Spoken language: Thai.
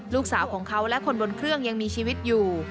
ลูกสาวของเขาและคนบนเครื่องยังมีชีวิตอยู่